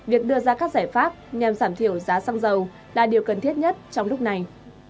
việc đưa ra các giải pháp nhằm giảm thiểu giá xăng dầu là điều cần thiết nhất trong lúc này